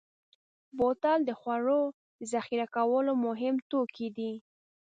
بوتل د خوړو د ذخیره کولو مهم توکی دی.